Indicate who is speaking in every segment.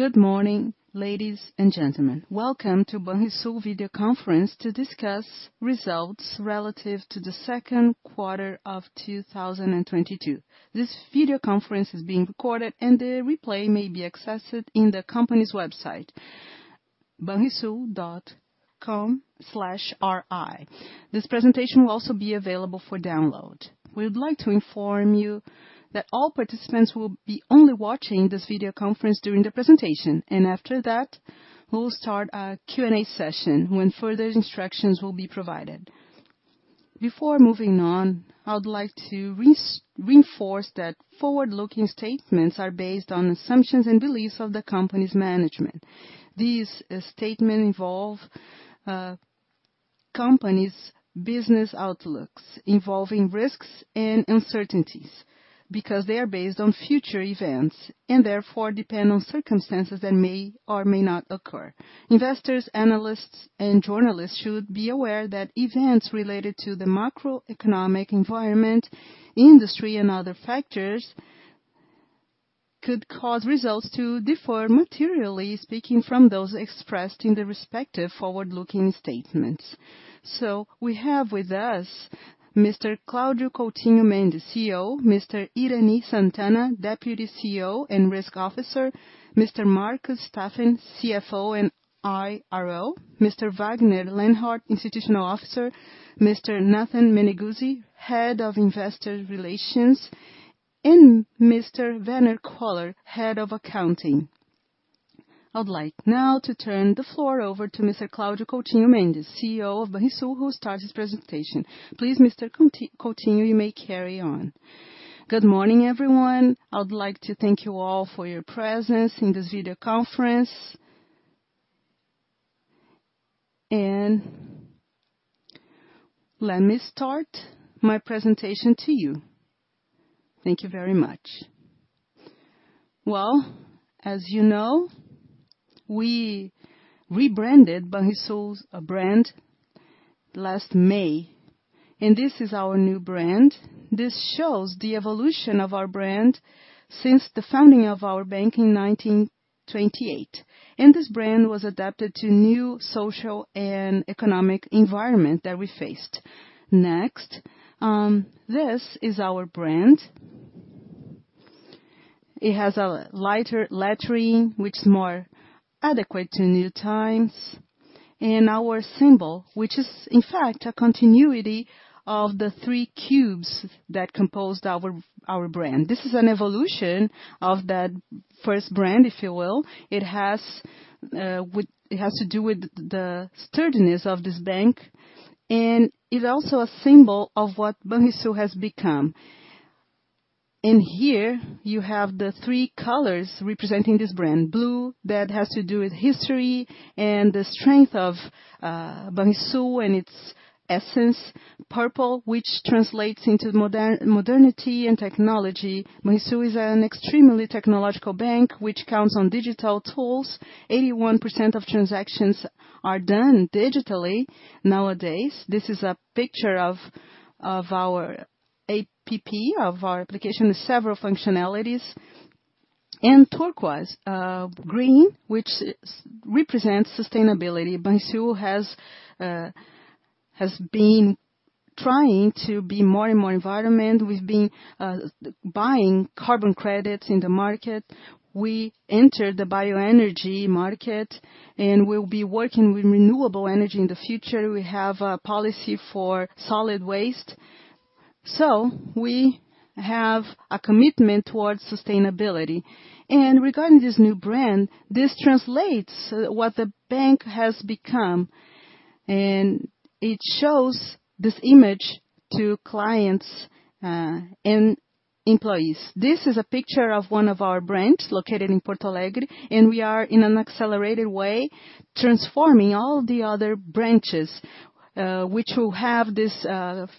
Speaker 1: Good morning, ladies and gentlemen. Welcome to Banrisul video conference to discuss results relative to the second quarter of 2022. This video conference is being recorded and the replay may be accessed in the company's website, banrisul.com.br/ri. This presentation will also be available for download. We would like to inform you that all participants will be only watching this video conference during the presentation and after that, we'll start our Q&A session when further instructions will be provided. Before moving on, I would like to reinforce that forward-looking statements are based on assumptions and beliefs of the company's management. These statements involve company's business outlooks involving risks and uncertainties because they are based on future events and therefore depend on circumstances that may or may not occur. Investors, analysts and journalists should be aware that events related to the macroeconomic environment, industry and other factors could cause results to differ materially speaking from those expressed in the respective forward-looking statements. We have with us Mr. Cláudio Coutinho Mendes, CEO, Mr. Irany Sant'Anna Júnior, Deputy CEO and Risk Officer, Mr. Marcus Vinicius Feijó Staffen, CFO and IRO, Mr. Wagner Lenhart, Institutional Officer, Mr. Nathan Meneguzzi, Head of Investor Relations, and Mr. Werner Köhler, Head of Accounting. I would like now to turn the floor over to Mr. Cláudio Coutinho Mendes, CEO of Banrisul, who'll start his presentation. Please, Mr. Coutinho you may carry on
Speaker 2: Good morning, everyone. I would like to thank you all for your presence in this video conference. Let me start my presentation to you. Thank you very much. Well, as you know, we rebranded Banrisul's brand last May, and this is our new brand. This shows the evolution of our brand since the founding of our bank in 1928. This brand was adapted to new social and economic environment that we faced. Next. This is our brand. It has a lighter lettering, which is more adequate to new times. Our symbol, which is in fact a continuity of the three cubes that composed our brand. This is an evolution of that first brand, if you will. It has to do with the sturdiness of this bank, and it's also a symbol of what Banrisul has become. Here you have the three colors representing this brand. Blue, that has to do with history and the strength of Banrisul and its essence. Purple, which translates into modernity and technology. Banrisul is an extremely technological bank which counts on digital tools. 81% of transactions are done digitally nowadays. This is a picture of our app, of our application with several functionalities. Turquoise, green, which represents sustainability. Banrisul has been trying to be more and more environmental. We've been buying carbon credits in the market. We entered the bio energy market, and we'll be working with renewable energy in the future. We have a policy for solid waste. We have a commitment towards sustainability. Regarding this new brand, this translates what the bank has become, and it shows this image to clients and employees. This is a picture of one of our branches located in Porto Alegre, and we are in an accelerated way transforming all the other branches, which will have this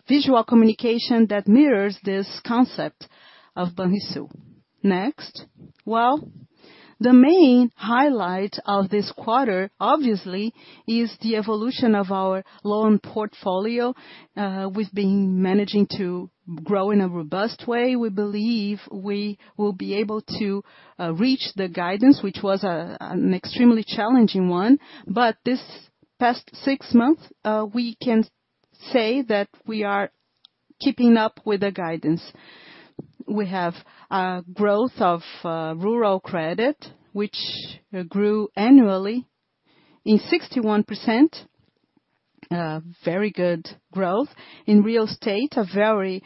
Speaker 2: visual communication that mirrors this concept of Banrisul. Next. Well, the main highlight of this quarter, obviously, is the evolution of our loan portfolio. We've been managing to grow in a robust way. We believe we will be able to reach the guidance, which was an extremely challenging one. This past six months, we can say that we are keeping up with the guidance. We have growth of rural credit, which grew annually in 61%, very good growth. In real estate, a very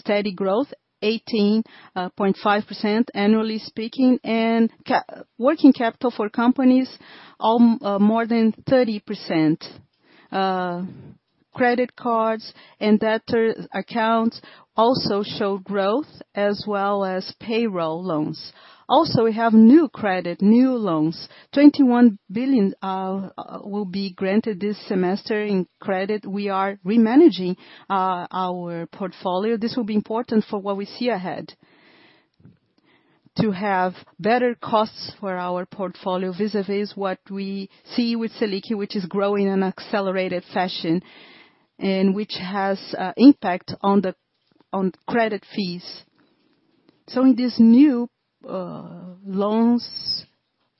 Speaker 2: steady growth, 18.5% annually speaking. Working capital for companies, more than 30%. Credit cards and debtor accounts also show growth as well as payroll loans. Also, we have new credit, new loans. 21 billion will be granted this semester in credit. We are re-managing our portfolio. This will be important for what we see ahead, to have better costs for our portfolio vis-à-vis what we see with Selic, which is growing in accelerated fashion and which has impact on the on credit fees. In this new, loans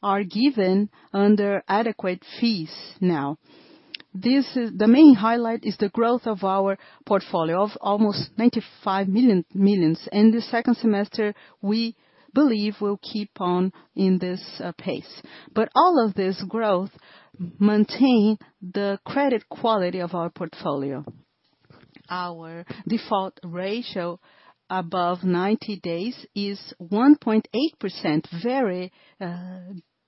Speaker 2: are given under adequate fees now. The main highlight is the growth of our portfolio of almost 95 million. In the second semester, we believe we'll keep on in this pace. All of this growth maintain the credit quality of our portfolio. Our default ratio above 90 days is 1.8%. Very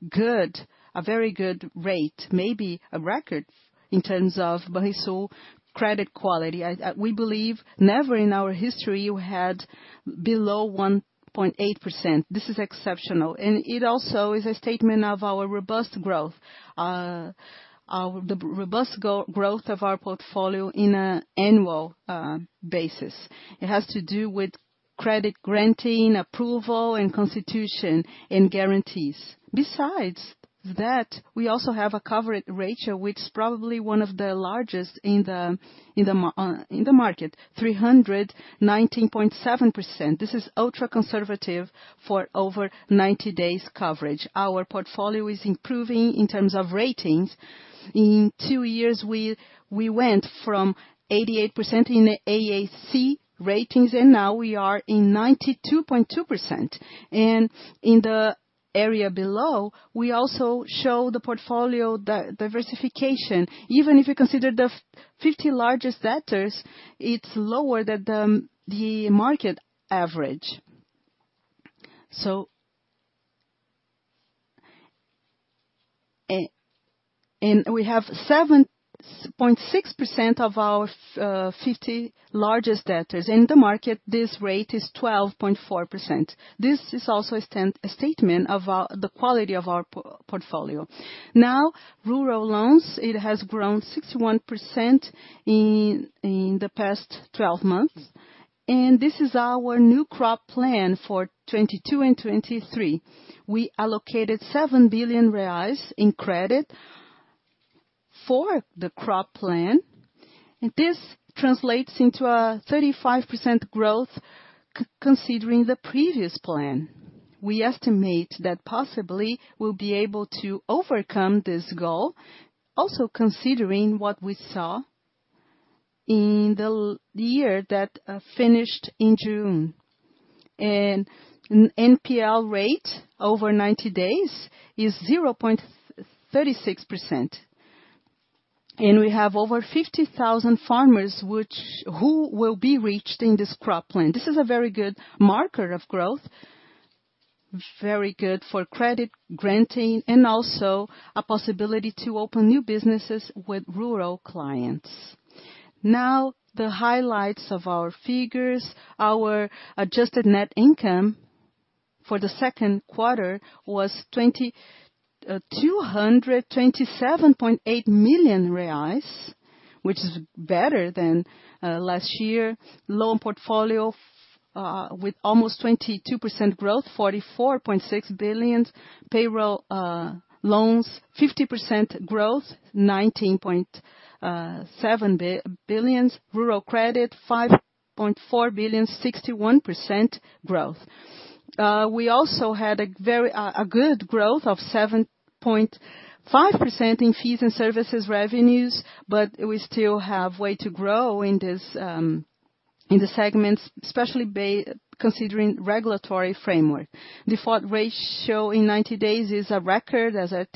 Speaker 2: good, a very good rate, maybe a record in terms of Banrisul credit quality. We believe never in our history we had below 1.8%. This is exceptional, and it also is a statement of our robust growth. The robust growth of our portfolio on an annual basis. It has to do with credit granting, approval, and constitution and guarantees. Besides that, we also have a coverage ratio which is probably one of the largest in the market, 319.7%. This is ultra-conservative for over 90 days coverage. Our portfolio is improving in terms of ratings. In two years, we went from 88% in AAC ratings, and now we are in 92.2%. In the area below, we also show the portfolio diversification. Even if you consider the fifty largest debtors, it's lower than the market average. We have 7.6% of our fifty largest debtors. In the market, this rate is 12.4%. This is also a statement of the quality of our portfolio. Now, rural loans, it has grown 61% in the past 12 months. This is our new crop plan for 2022 and 2023. We allocated seven billion reais in credit for the crop plan, and this translates into a 35% growth considering the previous plan. We estimate that possibly we'll be able to overcome this goal, also considering what we saw in the year that finished in June. NPL rate over 90 days is 0.36%. We have over 50,000 farmers who will be reached in this crop plan. This is a very good marker of growth, very good for credit granting, and also a possibility to open new businesses with rural clients. Now, the highlights of our figures. Our adjusted net income for the second quarter was 227.8 million reais, which is better than last year. Loan portfolio with almost 22% growth, 44.6 billion. Payroll loans, 50% growth, 19.7 billion. Rural credit, 5.4 billion, 61% growth. We also had a good growth of 7.5% in fees and services revenues, but we still have way to grow in this in the segments, especially considering regulatory framework. Default ratio in 90 days is a record, as I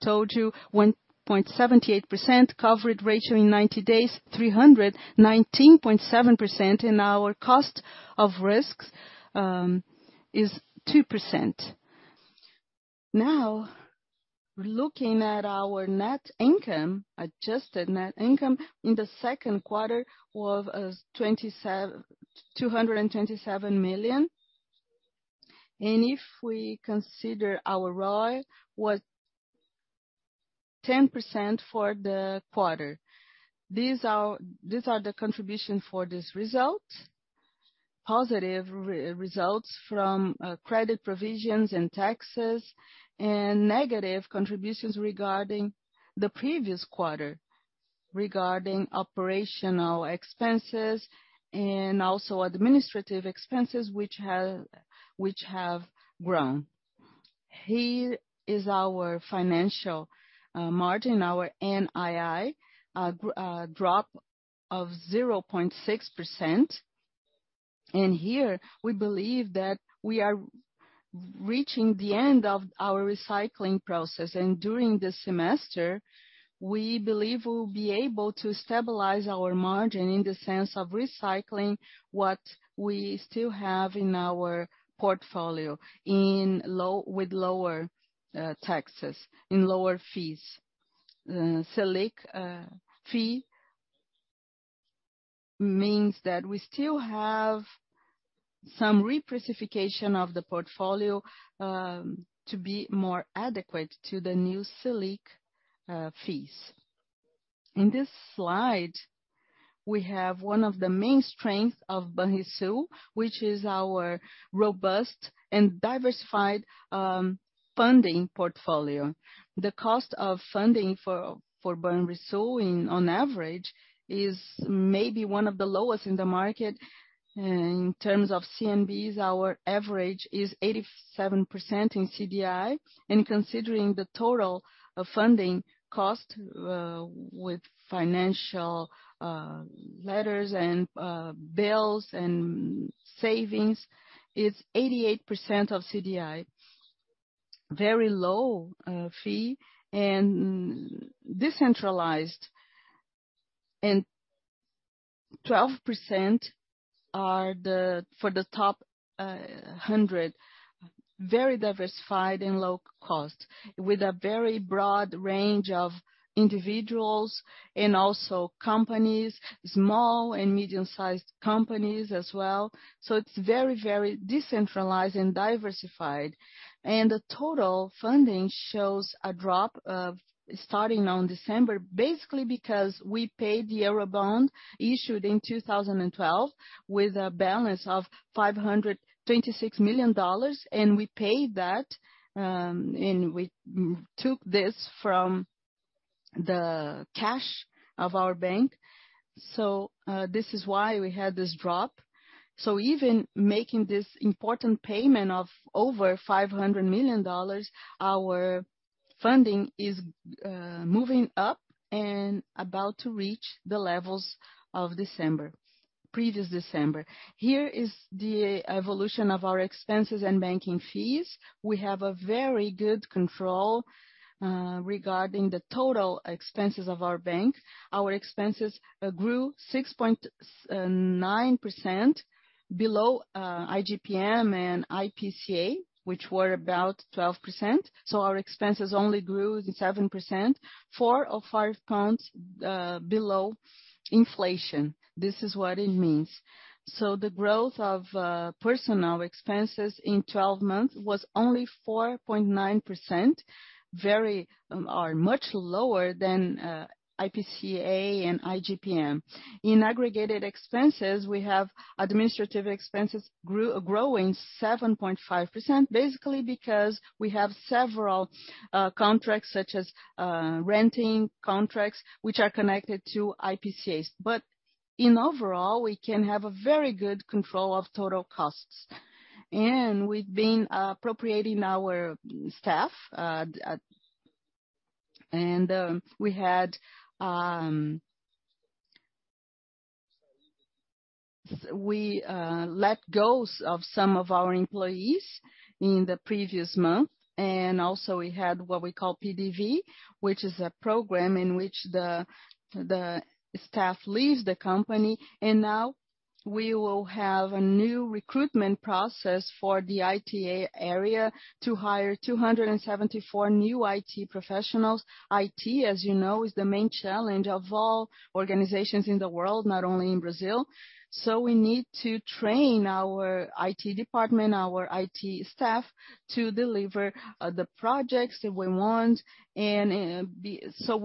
Speaker 2: told you, 1.78%. Coverage ratio in 90 days, 319.7%. Our cost of risks is 2%. Now, looking at our net income, adjusted net income in the second quarter was 227 million. If we consider our ROI was 10% for the quarter. These are the contribution for this result. Positive results from credit provisions and taxes, and negative contributions regarding the previous quarter, regarding operational expenses and also administrative expenses which have grown. Here is our financial margin, our NII, drop of 0.6%. Here we believe that we are reaching the end of our recycling process. During the semester, we believe we'll be able to stabilize our margin in the sense of recycling what we still have in our portfolio with lower taxes, in lower fees. Selic rate means that we still have some repricing of the portfolio to be more adequate to the new Selic rates. In this slide, we have one of the main strengths of Banrisul, which is our robust and diversified funding portfolio. The cost of funding for Banrisul on average is maybe one of the lowest in the market. In terms of CDBs, our average is 87% in CDI. Considering the total of funding cost with financial letters and bills and savings, it's 88% of CDI. Very low rate and decentralized. 12% are the for the top 100, very diversified and low cost, with a very broad range of individuals and also companies, small and medium-sized companies as well. It's very, very decentralized and diversified. The total funding shows a drop starting on December, basically because we paid the euro bond issued in 2012 with a balance of $526 million, and we paid that, and we took this from the cash of our bank. This is why we had this drop. Even making this important payment of over $500 million, our funding is moving up and about to reach the levels of December, previous December. Here is the evolution of our expenses and banking fees. We have a very good control regarding the total expenses of our bank. Our expenses grew 6.9% below IGP-M and IPCA, which were about 12%. Our expenses only grew 7%, four or five points below inflation. This is what it means. The growth of personnel expenses in 12 months was only 4.9%, very much lower than IPCA and IGP-M. In aggregated expenses, administrative expenses growing 7.5%, basically because we have several contracts, such as renting contracts, which are connected to IPCA. In overall, we can have a very good control of total costs. We've been appropriating our staff, and we let go of some of our employees in the previous month. Also we had what we call PDV, which is a program in which the staff leaves the company. Now we will have a new recruitment process for the IT area to hire 274 new IT professionals. IT, as you know, is the main challenge of all organizations in the world, not only in Brazil. We need to train our IT department, our IT staff, to deliver the projects that we want and so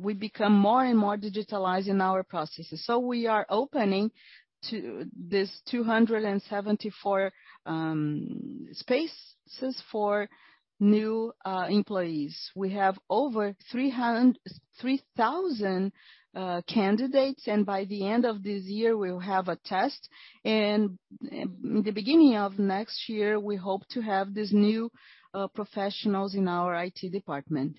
Speaker 2: we become more and more digitalized in our processes. We are opening 274 spaces for new employees. We have over 3,000 candidates, and by the end of this year, we'll have a test. In the beginning of next year, we hope to have these new professionals in our IT department.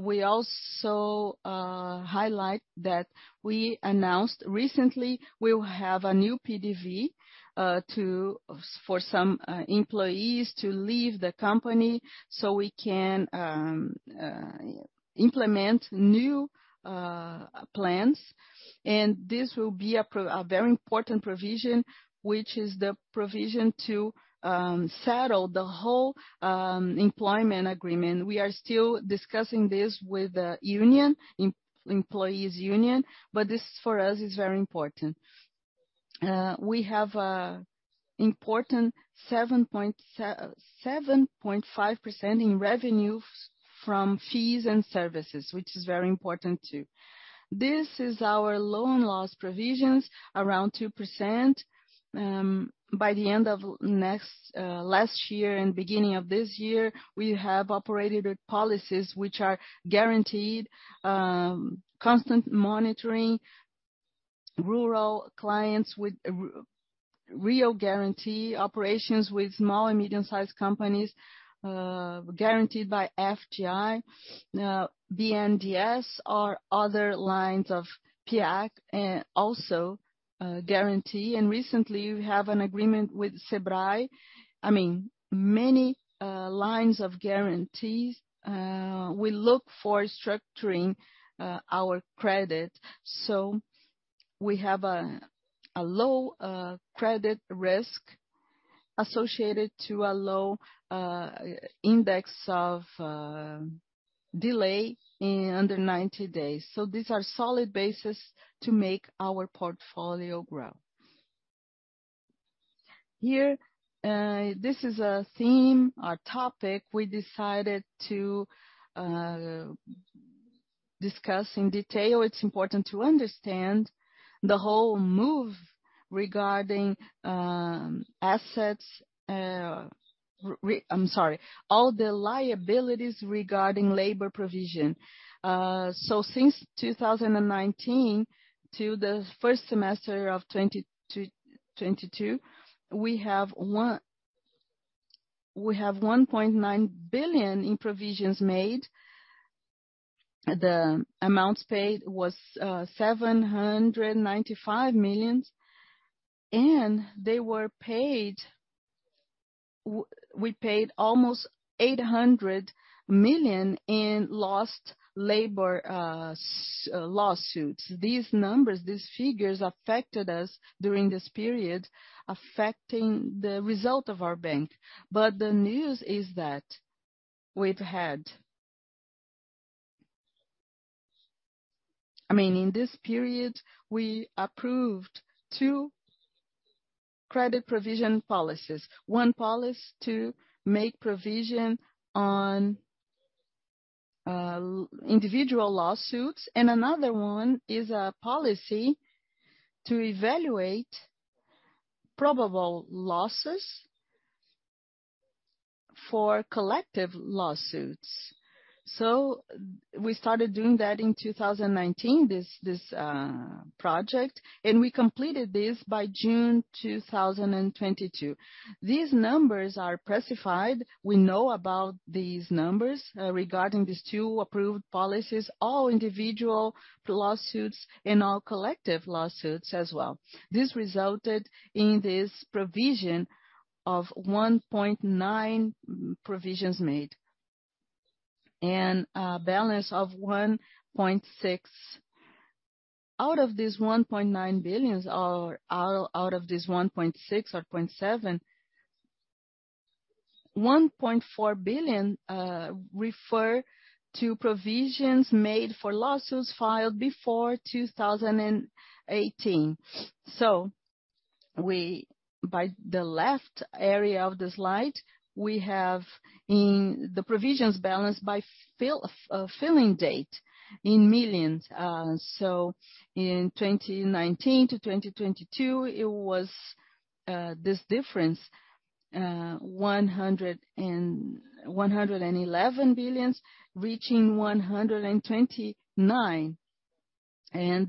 Speaker 2: We also highlight that we announced recently we will have a new PDV for some employees to leave the company so we can implement new plans. This will be a very important provision, which is the provision to settle the whole employment agreement. We are still discussing this with the union, employees union, but this, for us, is very important. We have a important 7.5% in revenues from fees and services, which is very important too. This is our loan loss provisions, around 2%. By the end of next last year and beginning of this year, we have operated with policies which are guaranteed constant monitoring rural clients with real guarantee operations with small and medium-sized companies, guaranteed by FGI, BNDES or other lines of PIAC, also guarantee. Recently, we have an agreement with SEBRAE. I mean, many lines of guarantees. We look for structuring our credit, so we have a low credit risk associated to a low index of delay under 90 days. These are solid basis to make our portfolio grow. Here, this is a theme or topic we decided to discuss in detail. It's important to understand the whole move regarding assets. All the liabilities regarding labor provision. Since 2019 to the first semester of 2022, we have 1.9 billion in provisions made. The amounts paid was 795 million, and they were paid. We paid almost 800 million in labor lawsuits. These numbers, these figures affected us during this period, affecting the result of our bank. The news is that we've had... I mean, in this period, we approved two credit provision policies. One policy to make provision on individual lawsuits, and another one is a policy to evaluate probable losses for collective lawsuits. We started doing that in 2019, this project, and we completed this by June 2022. These numbers are priced. We know about these numbers regarding these two approved policies, all individual lawsuits and all collective lawsuits as well. This resulted in this provision of 1.9 provisions made and a balance of 1.6. Out of these 1.9 billions or out of these 1.6 or 0.7, 1.4 billion refer to provisions made for lawsuits filed before 2018. By the left area of the slide, we have the provisions balance by filing date in millions. In 2019-2022, it was this difference, 111 million, reaching 129 million.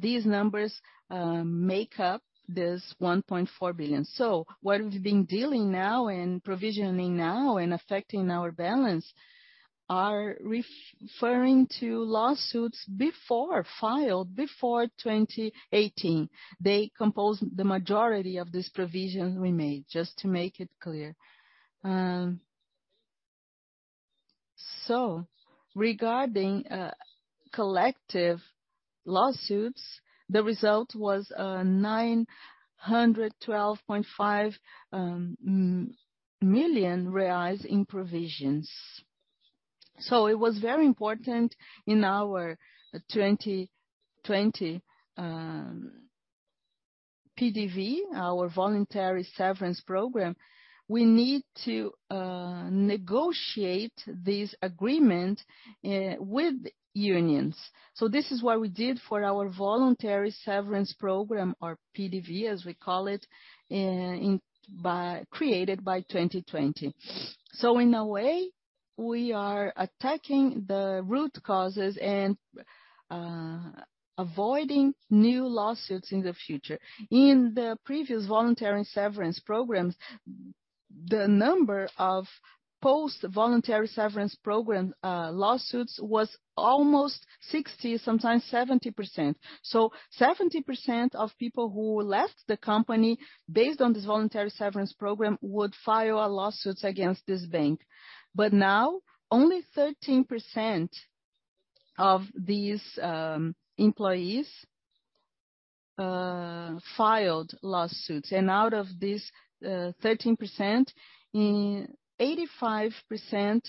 Speaker 2: These numbers make up this 1.4 billion. What we've been dealing with now and provisioning now and affecting our balance are referring to lawsuits filed before 2018. They compose the majority of these provisions we made, just to make it clear. Regarding collective lawsuits, the result was 912.5 million reais in provisions. It was very important in our 2020 PDV, our voluntary severance program, we need to negotiate this agreement with unions. This is what we did for our voluntary severance program or PDV, as we call it, created by 2020. In a way, we are attacking the root causes and avoiding new lawsuits in the future. In the previous voluntary severance programs, the number of post-voluntary severance program lawsuits was almost 60, sometimes 70%. 70% of people who left the company based on this voluntary severance program would file a lawsuit against this bank. Now, only 13% of these employees filed lawsuits. Out of these 13%, 85%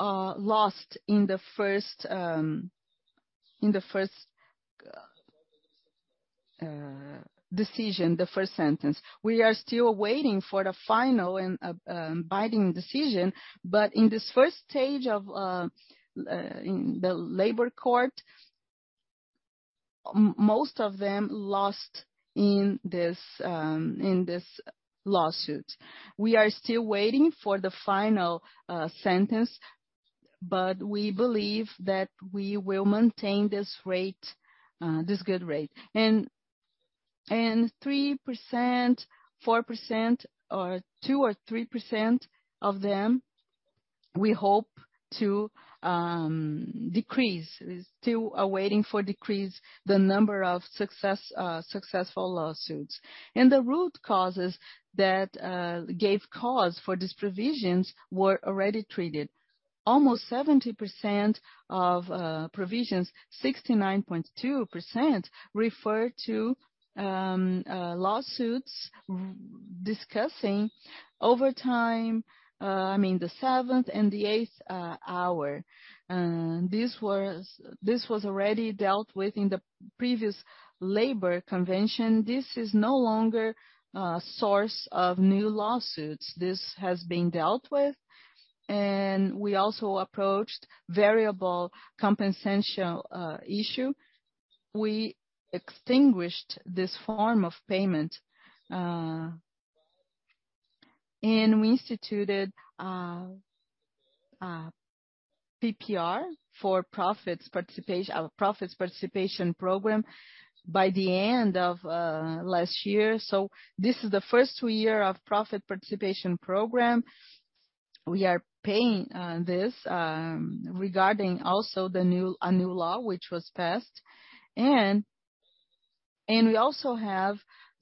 Speaker 2: lost in the first decision, the first sentence. We are still waiting for the final and binding decision. In this first stage of, in the labor court, most of them lost in this lawsuit. We are still waiting for the final sentence, but we believe that we will maintain this rate, this good rate. 3%, 4% or 2%-3% of them, we hope to decrease. We still are waiting to decrease the number of successful lawsuits. The root causes that gave cause for these provisions were already treated. Almost 70% of provisions, 69.2%, refer to lawsuits discussing overtime, I mean the seventh and the eighth hour. This was already dealt with in the previous labor convention. This is no longer a source of new lawsuits. This has been dealt with. We also approached variable compensation issue. We extinguished this form of payment, and we instituted a PPR for profits participation program by the end of last year. This is the first year of profit participation program. We are paying this regarding also a new law which was passed. We also have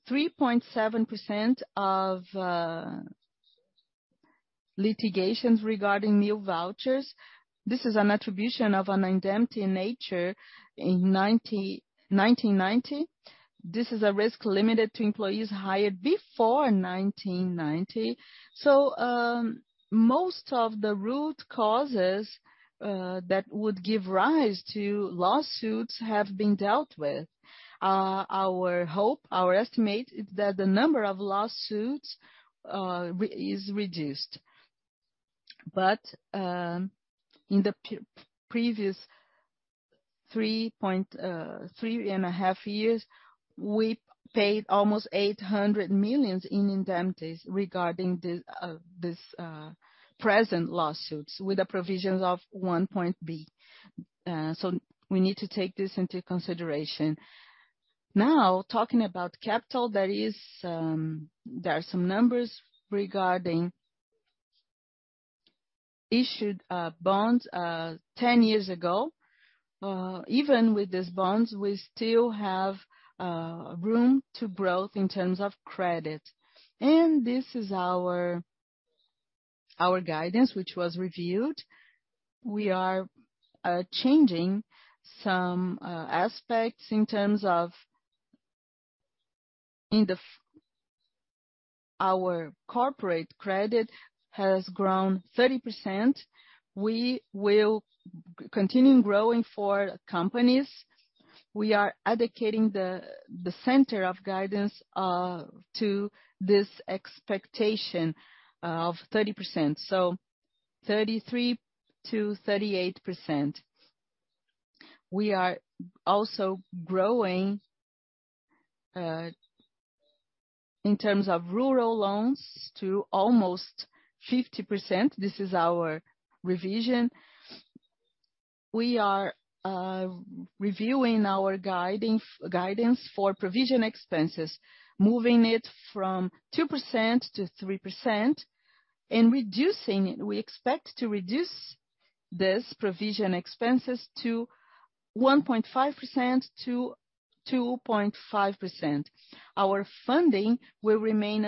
Speaker 2: 3.7% of litigations regarding meal vouchers. This is an attribution of an indemnity in nature in 1990. This is a risk limited to employees hired before 1990. Most of the root causes that would give rise to lawsuits have been dealt with. Our hope, our estimate is that the number of lawsuits is reduced. In the previous 3.5 years, we paid almost 800 million in indemnities regarding this present lawsuits with the provisions of one point b. We need to take this into consideration. Now, talking about capital, there are some numbers regarding issued bonds 10 years ago. Even with these bonds, we still have room to grow in terms of credit. This is our guidance, which was reviewed. We are changing some aspects in terms of. Our corporate credit has grown 30%. We will continue growing for companies. We are adhering to the center of guidance to this expectation of 30%, so 33%-38%. We are also growing in terms of rural loans to almost 50%. This is our revision. We are reviewing our guidance for provision expenses, moving it from 2% to 3% and reducing it. We expect to reduce these provision expenses to 1.5%-2.5%. Our funding will remain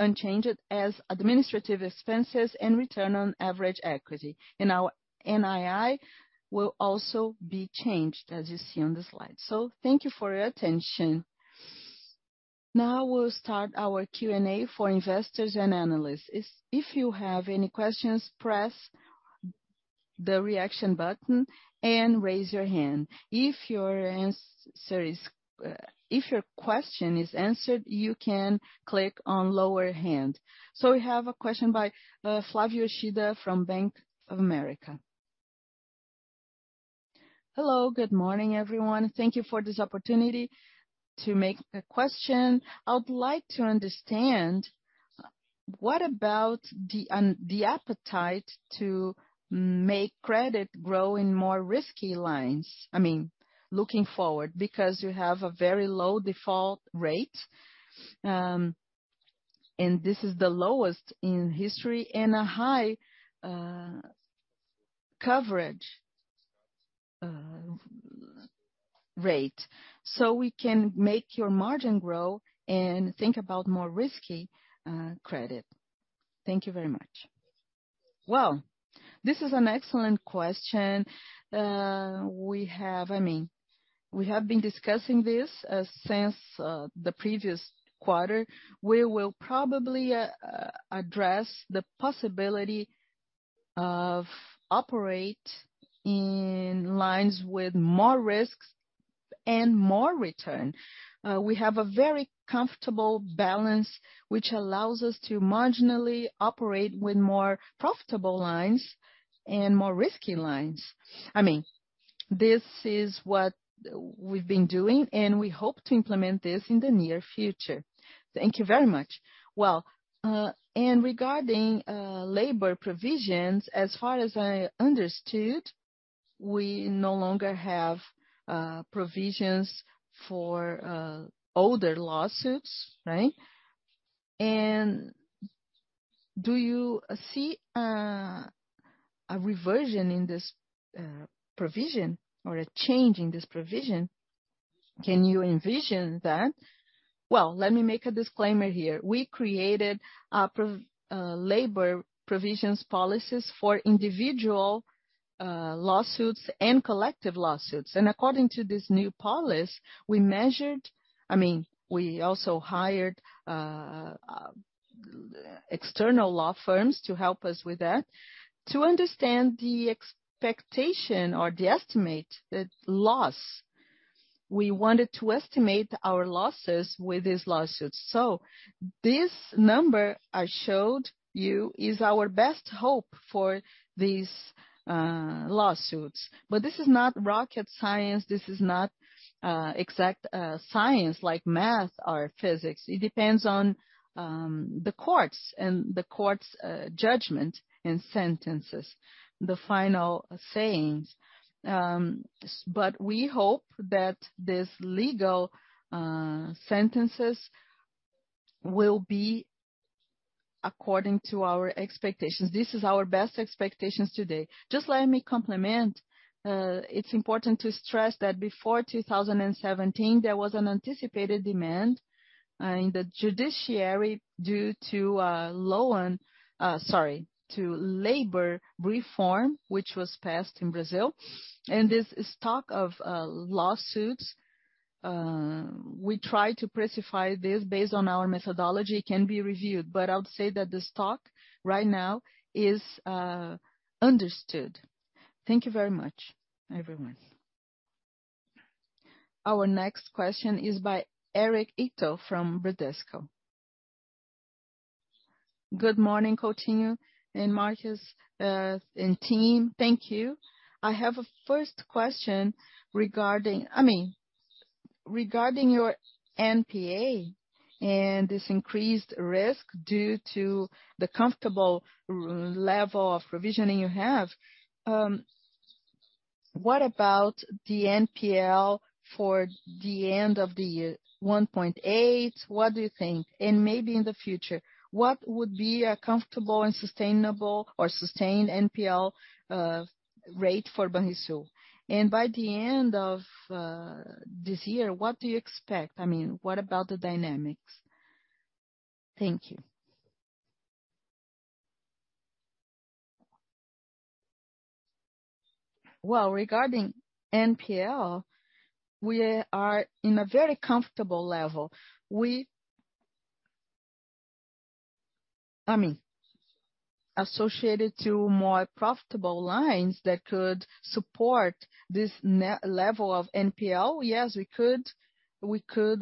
Speaker 2: unchanged as administrative expenses and return on average equity. Our NII will also be changed, as you see on the slide. Thank you for your attention.
Speaker 1: Now we'll start our Q&A for investors and analysts. If you have any questions, press the reaction button and raise your hand. If your question is answered, you can click on lower hand. We have a question by Flavio Yoshida from Bank of America.
Speaker 3: Hello, good morning everyone?. Thank you for this opportunity to make a question. I would like to understand, what about the appetite to make credit grow in more risky lines? I mean, looking forward, because you have a very low default rate, and this is the lowest in history and a high coverage rate. We can make your margin grow and think about more risky credit. Thank you very much.
Speaker 2: Well, this is an excellent question. I mean, we have been discussing this since the previous quarter. We will probably address the possibility of operate in lines with more risks and more return. We have a very comfortable balance, which allows us to marginally operate with more profitable lines and more risky lines. I mean, this is what we've been doing, and we hope to implement this in the near future. Thank you very much. Well, regarding labor provisions, as far as I understood, we no longer have provisions for older lawsuits, right? Do you see a reversion in this provision or a change in this provision? Can you envision that? Well, let me make a disclaimer here. We created labor provisions policies for individual lawsuits and collective lawsuits. According to this new policy, we measured, I mean, we also hired external law firms to help us with that, to understand the expectation or the estimate, the loss. We wanted to estimate our losses with these lawsuits. This number I showed you is our best hope for these lawsuits. This is not rocket science. This is not exact science like math or physics. It depends on the courts and the court's judgment and sentences, the final sayings. But we hope that these legal sentences will be according to our expectations. This is our best expectations today. Just let me complement. It's important to stress that before 2017, there was an anticipated demand in the judiciary due to labor reform, which was passed in Brazil. This stock of lawsuits we try to provision this based on our methodology, it can be reviewed, but I would say that the stock right now is understood. Thank you very much, everyone.
Speaker 1: Our next question is by Eric Ito from Bradesco.
Speaker 4: Good morning, Coutinho and Marcus, and team. Thank you. I have a first question regarding, I mean, regarding your NPA and this increased risk due to the comfortable level of provisioning you have. What about the NPL for the end of the year, 1.8%? What do you think? Maybe in the future, what would be a comfortable and sustainable or sustained NPL rate for Banrisul? By the end of this year, what do you expect? I mean, what about the dynamics? Thank you.
Speaker 2: Well, regarding NPL, we are in a very comfortable level. I mean, associated to more profitable lines that could support this level of NPL, yes, we could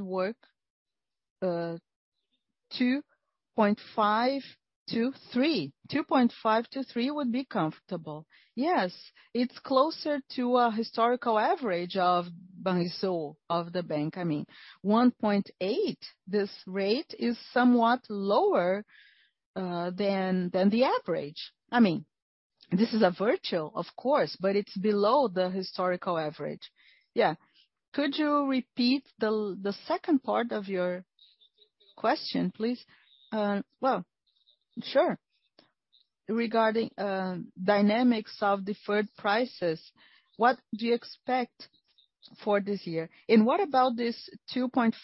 Speaker 2: work 2.5%-3%. 2.5%-3% would be comfortable. Yes, it's closer to a historical average of Banrisul, of the bank, I mean. 1.8, this rate is somewhat lower than the average. I mean, this is virtually, of course, but it's below the historical average. Yeah. Could you repeat the second part of your question, please?
Speaker 4: Well, sure. Regarding dynamics of deferred prices, what do you expect for this year? What about this 2.5-3?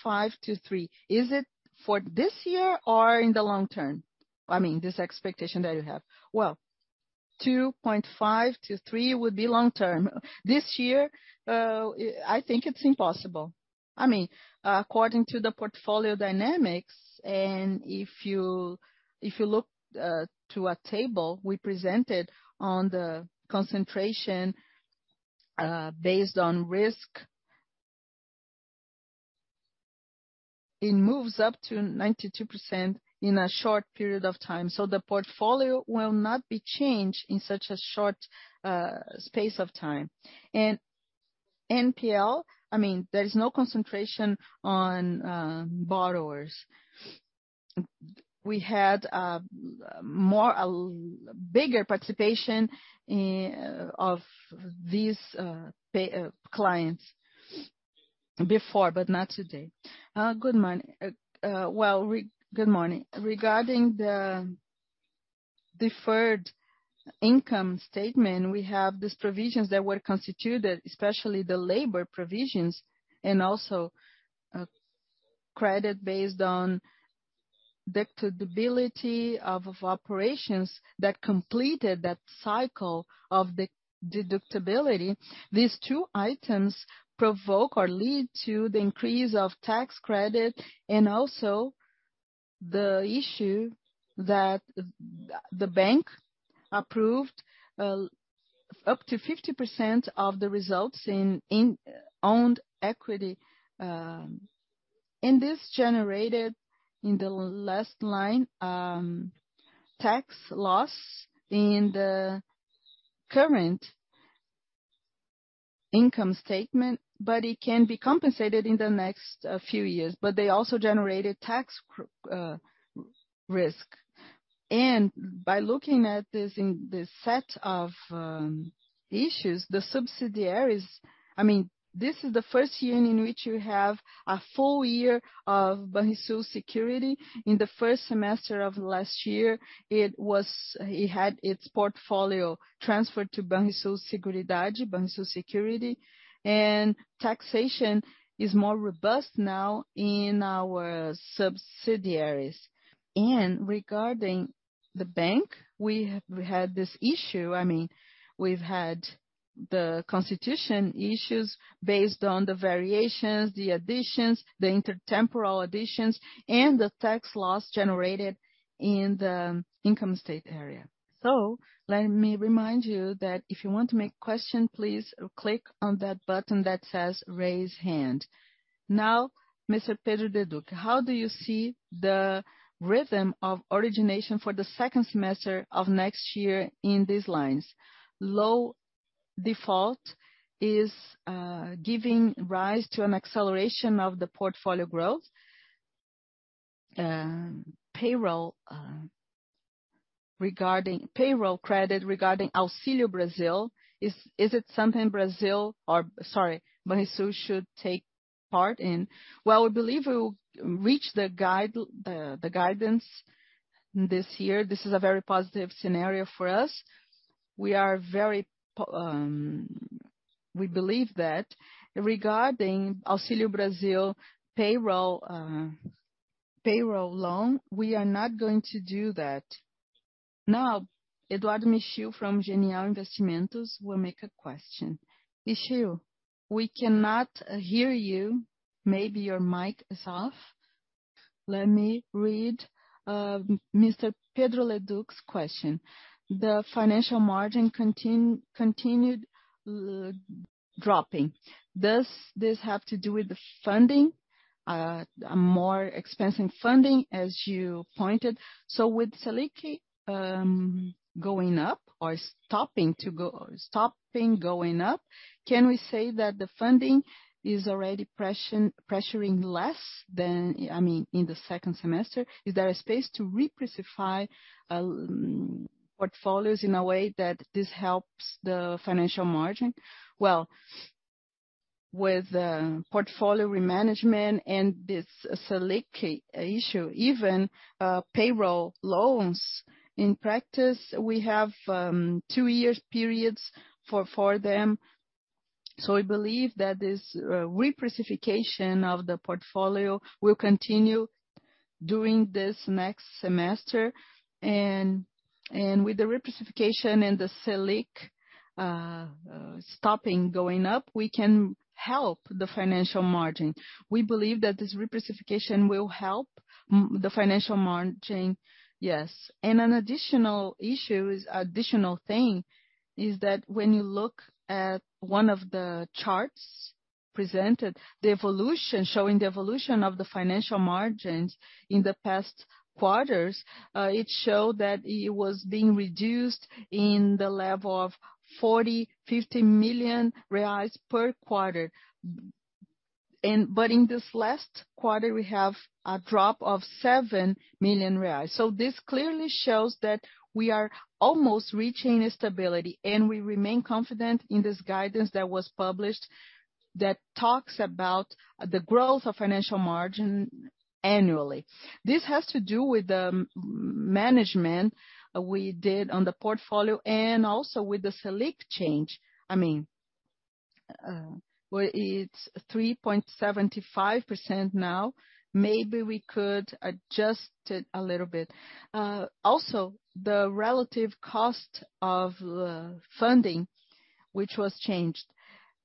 Speaker 4: Is it for this year or in the long term? I mean, this expectation that you have. Well, 2.5-3 would be long-term.
Speaker 2: This year, I think it's impossible. I mean, according to the portfolio dynamics, and if you look at a table we presented on the concentration based on risk, it moves up to 92% in a short period of time. The portfolio will not be changed in such a short space of time. NPL, I mean, there is no concentration on borrowers. We had more, a bigger participation of these clients before, but not today. Regarding the deferred income statement, we have these provisions that were constituted, especially the labor provisions and also credit based on deductibility of operations that completed that cycle of the deductibility. These two items provoke or lead to the increase of tax credit and also the issue that the bank approved up to 50% of the results in owned equity, and this generated in the last line tax loss in the current income statement, but it can be compensated in the next few years. They also generated tax credit. By looking at this in this set of issues, the subsidiaries, I mean, this is the first year in which you have a full year of Banrisul Seguridade. In the first semester of last year, it had its portfolio transferred to Banrisul Seguridade, Banrisul Seguridade. Taxation is more robust now in our subsidiaries. Regarding the bank, we had this issue. I mean, we've had the constitution issues based on the variations, the additions, the intertemporal additions, and the tax laws generated in the income statement area.
Speaker 1: Let me remind you that if you want to make question, please click on that button that says Raise Hand. Now, Mr. Pedro Leduc, how do you see the rhythm of origination for the second semester of next year in these lines? Low default is giving rise to an acceleration of the portfolio growth.
Speaker 5: Payroll regarding payroll credit, regarding Auxílio Brasil. Is it something Brazil or Sorry, Banrisul should take part in? Well, we believe we will reach the guidance this year. This is a very positive scenario for us. We believe that regarding Auxílio Brasil payroll loan, we are not going to do that.
Speaker 1: Now, Eduardo Nishio from Genial Investimentos will make a question. Nishio, we cannot hear you. Maybe your mic is off. Let me read Mr. Pedro Leduc's question. The financial margin continued dropping. Does this have to do with the funding, a more expensive funding as you pointed? So with Selic going up or stopping going up, can we say that the funding is already pressuring less than, I mean, in the second semester? Is there a space to reprice portfolios in a way that this helps the financial margin?
Speaker 2: Well, with portfolio management and this Selic issue, even payroll loans, in practice, we have two-year periods for them. I believe that this repricing of the portfolio will continue during this next semester. With the repricing and the Selic stopping going up, we can help the financial margin. We believe that this repricing will help the financial margin, yes. An additional thing is that when you look at one of the charts presented, the evolution, showing the evolution of the financial margins in the past quarters, it showed that it was being reduced in the level of 40 million-50 million reais per quarter. In this last quarter, we have a drop of seven million reais. This clearly shows that we are almost reaching a stability, and we remain confident in this guidance that was published that talks about the growth of financial margin annually. This has to do with the management we did on the portfolio and also with the Selic change. I mean, it's 3.75% now. Maybe we could adjust it a little bit. Also the relative cost of funding, which was changed.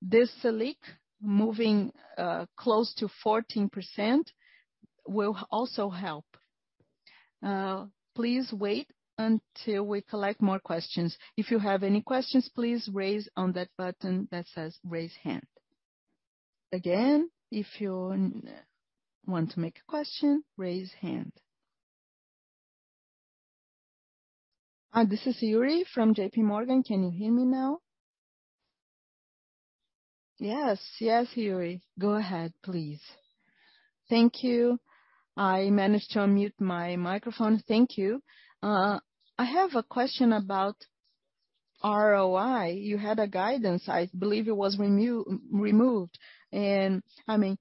Speaker 2: This Selic moving close to 14% will also help.
Speaker 1: Please wait until we collect more questions. If you have any questions, please raise on that button that says Raise Hand. Again, if you want to make a question, raise hand.
Speaker 6: This is Yuri from JPMorgan. Can you hear me now?
Speaker 2: Yes. Yes, Yuri. Go ahead, please.
Speaker 6: Thank you. I managed to unmute my microphone. Thank you. I have a question about ROI. You had a guidance, I believe it was removed. I mean,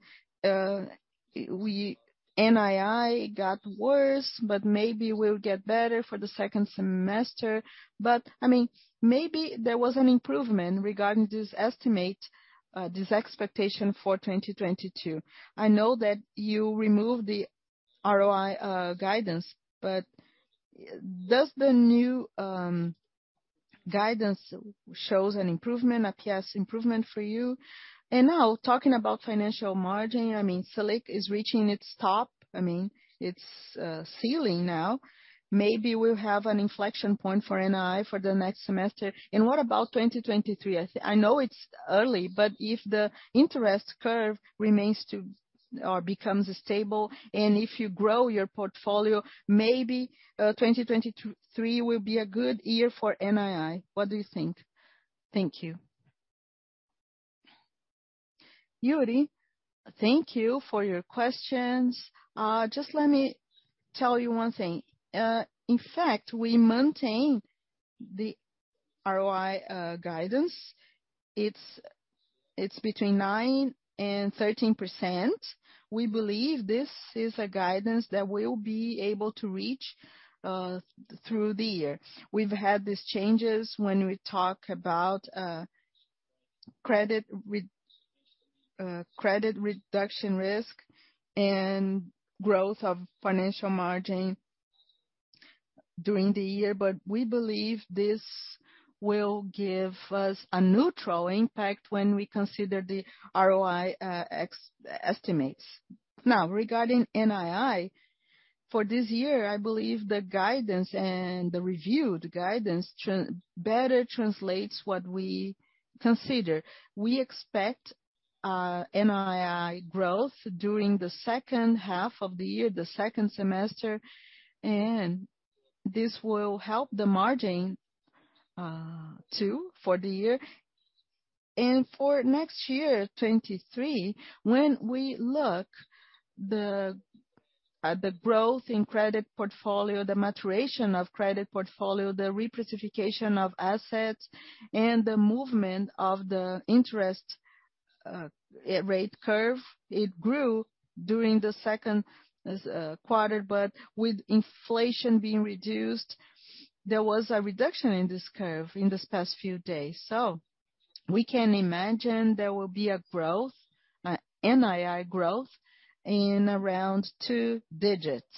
Speaker 6: NII got worse, but maybe will get better for the second semester. I mean, maybe there was an improvement regarding this estimate, this expectation for 2022. I know that you removed the ROI guidance, but does the new guidance shows an improvement, a ROE improvement for you? Now, talking about financial margin, I mean, Selic is reaching its top. I mean, its ceiling now. Maybe we'll have an inflection point for NII for the next semester. What about 2023? I know it's early, but if the interest curve remains to or becomes stable, and if you grow your portfolio, maybe 2023 will be a good year for NII. What do you think? Thank you.
Speaker 2: Yuri, thank you for your questions. Just let me tell you one thing. In fact, we maintain the ROE guidance. It's between 9% and 13%. We believe this is a guidance that we'll be able to reach through the year. We've had these changes when we talk about credit risk reduction and growth of financial margin during the year, but we believe this will give us a neutral impact when we consider the ROE estimates. Now, regarding NII, for this year, I believe the guidance and the reviewed guidance better translates what we consider. We expect NII growth during the second half of the year, the second semester, and this will help the margin too for the year. For next year, 2023, when we look at the growth in credit portfolio, the maturation of credit portfolio, the repricing of assets, and the movement of the interest rate curve, it grew during the second quarter, but with inflation being reduced, there was a reduction in this curve in these past few days. We can imagine there will be a growth, a NII growth in around two digits.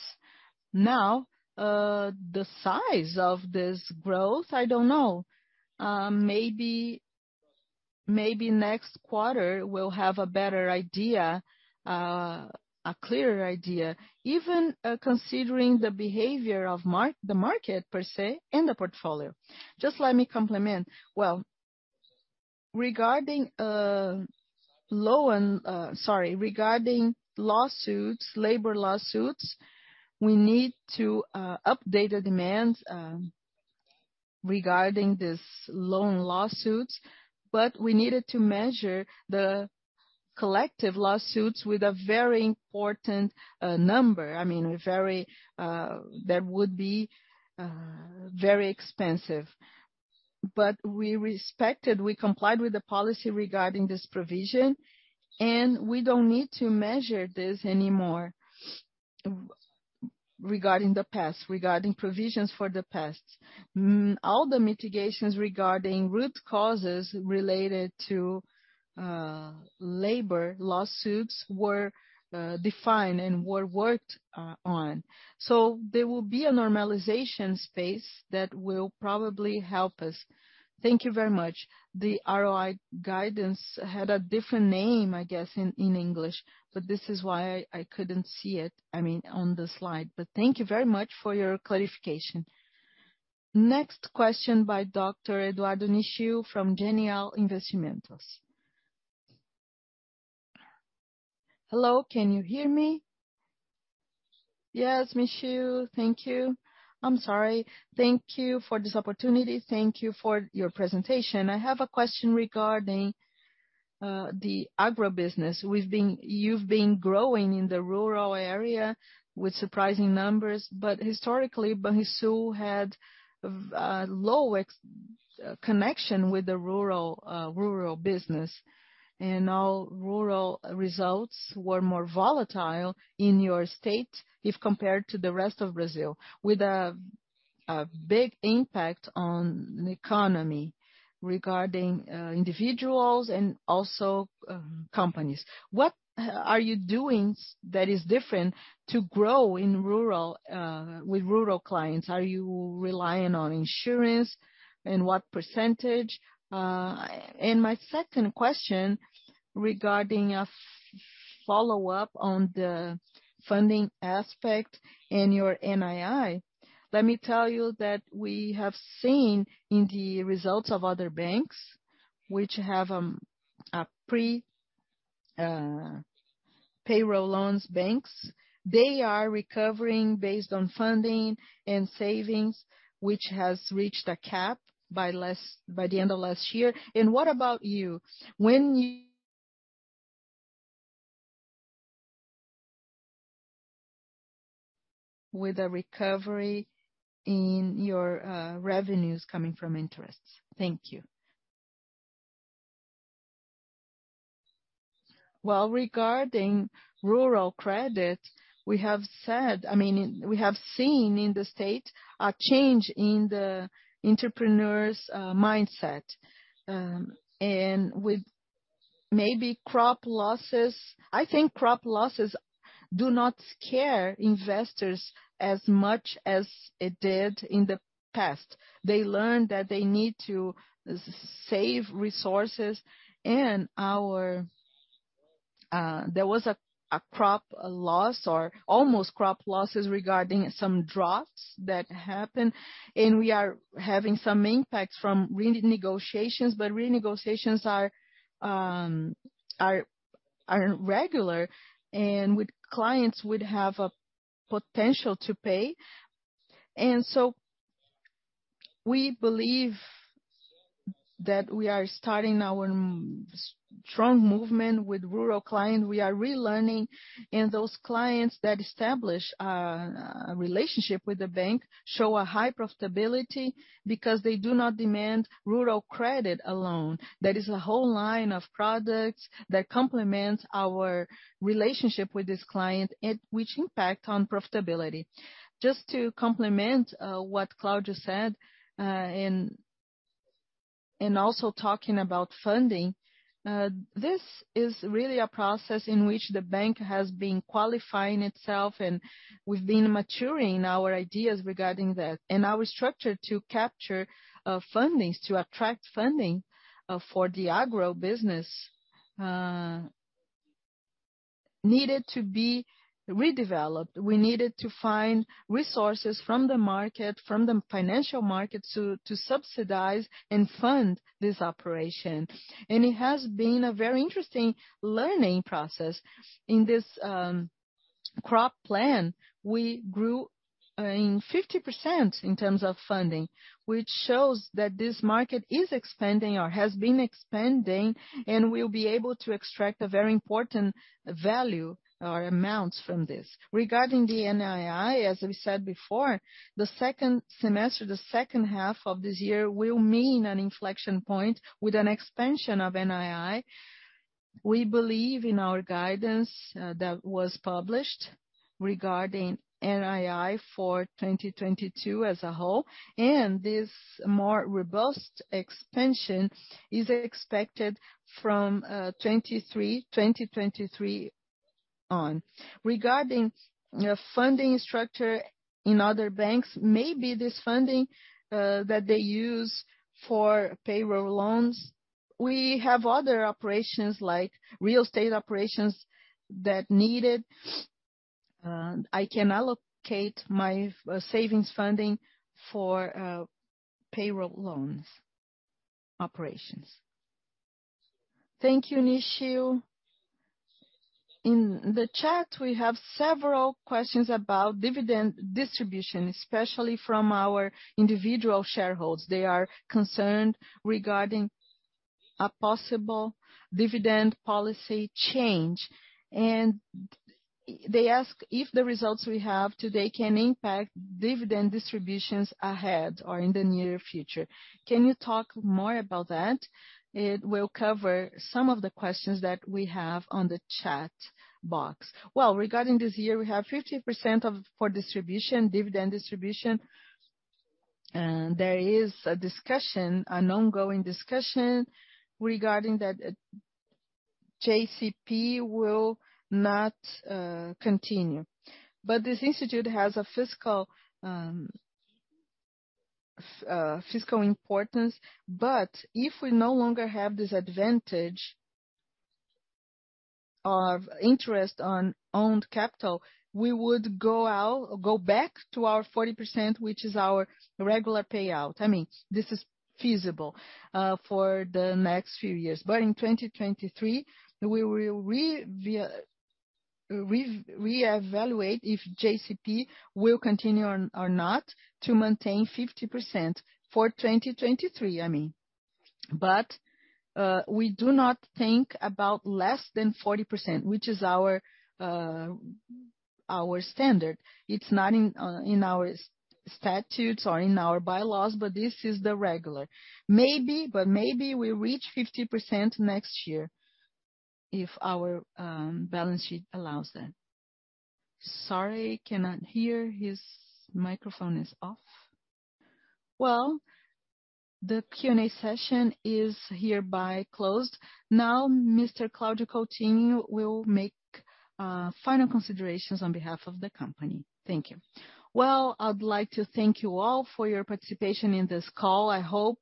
Speaker 2: Now, the size of this growth, I don't know. Maybe next quarter we'll have a better idea, a clearer idea, even considering the behavior of the market per se and the portfolio. Just let me complement. Well, regarding lawsuits, labor lawsuits, we need to update the demands regarding these labor lawsuits, but we needed to measure the collective lawsuits with a very important number. I mean, a very... That would be very expensive. We respected, we complied with the policy regarding this provision, and we don't need to measure this anymore regarding the past, regarding provisions for the past. All the mitigations regarding root causes related to labor lawsuits were defined and were worked on. There will be a normalization space that will probably help us.
Speaker 6: Thank you very much. The ROI guidance had a different name, I guess, in English, but this is why I couldn't see it, I mean, on the slide. Thank you very much for your clarification.
Speaker 1: Next question by Dr. Eduardo Nishio from Genial Investimentos.
Speaker 7: Hello, can you hear me?
Speaker 5: Yes, Nishio.
Speaker 7: Thank you. I'm sorry. Thank you for your presentation. I have a question regarding the agribusiness. You've been growing in the rural area with surprising numbers. Historically, Banrisul had low connection with the rural business, and all rural results were more volatile in your state if compared to the rest of Brazil, with a big impact on the economy regarding individuals and also companies. What are you doing that is different to grow in rural with rural clients? Are you relying on insurance, and what percentage? My second question regarding a follow-up on the funding aspect and your NII. Let me tell you that we have seen in the results of other banks, which have a presence in payroll loans. They are recovering based on funding and savings, which has reached a cap by the end of last year. What about you? When you With a recovery in your revenues coming from interests. Thank you.
Speaker 5: Well, regarding rural credit, we have said, I mean, we have seen in the state a change in the entrepreneurs mindset. With maybe crop losses, I think crop losses do not scare investors as much as it did in the past. They learned that they need to save resources. There was a crop loss or almost crop losses regarding some droughts that happened, and we are having some impacts from renegotiations, but renegotiations are regular and with clients would have a potential to pay. We believe that we are starting our strong movement with rural client. We are relearning, and those clients that establish a relationship with the bank show a high profitability because they do not demand rural credit alone. There is a whole line of products that complement our relationship with this client and which impact on profitability. Just to complement, what Cláudio said, and also talking about funding, this is really a process in which the bank has been qualifying itself and we've been maturing our ideas regarding that. Our structure to capture fundings, to attract funding, for the agribusiness, needed to be redeveloped. We needed to find resources from the market, from the financial market to subsidize and fund this operation. It has been a very interesting learning process. In this crop plan, we grew in 50% in terms of funding, which shows that this market is expanding or has been expanding, and we'll be able to extract a very important value or amounts from this.
Speaker 2: Regarding the NII, as we said before, the second semester, the second half of this year will mean an inflection point with an expansion of NII. We believe in our guidance that was published regarding NII for 2022 as a whole, and this more robust expansion is expected from 2023 on. Regarding a funding structure in other banks, maybe this funding that they use for payroll loans. We have other operations, like real estate operations that need it. I can allocate my savings funding for payroll loans operations.
Speaker 1: Thank you, Nishio. In the chat, we have several questions about dividend distribution, especially from our individual shareholders. They are concerned regarding a possible dividend policy change, and they ask if the results we have today can impact dividend distributions ahead or in the near future. Can you talk more about that? It will cover some of the questions that we have on the chat box.
Speaker 5: Well, regarding this year, we have 50% for distribution, dividend distribution. There is a discussion, an ongoing discussion regarding that JCP will not continue. This institute has a fiscal importance. If we no longer have this advantage of interest on owned capital, we would go back to our 40%, which is our regular payout. I mean, this is feasible for the next few years. In 2023, we will reevaluate if JCP will continue on or not to maintain 50%, for 2023, I mean. We do not think about less than 40%, which is our standard. It's not in our statutes or in our bylaws, but this is the regular.
Speaker 8: Maybe, but maybe we reach 50% next year if our balance sheet allows that. Sorry, cannot hear. His microphone is off.
Speaker 1: Well, the Q&A session is hereby closed. Now, Mr. Cláudio Coutinho will make final considerations on behalf of the company. Thank you.
Speaker 2: Well, I'd like to thank you all for your participation in this call. I hope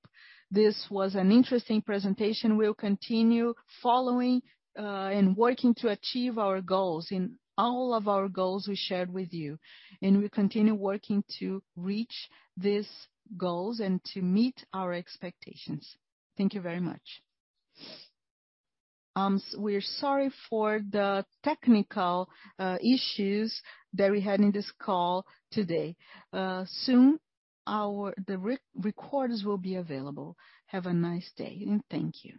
Speaker 2: this was an interesting presentation. We'll continue following and working to achieve our goals in all of our goals we shared with you. We'll continue working to reach these goals and to meet our expectations. Thank you very much. We're sorry for the technical issues that we had in this call today. Soon, the recording will be available. Have a nice day, and thank you.